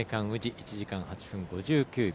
１時間８分５９秒。